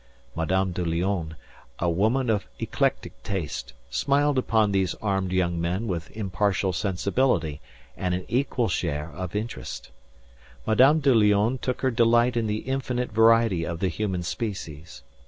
Madame de Lionne, a woman of eclectic taste, smiled upon these armed young men with impartial sensibility and an equal share of interest. Madame de Lionne took her delight in the infinite variety of the human species.